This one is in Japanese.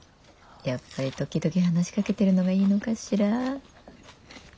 やっぱり時々話しかけてるのがいいのかしら。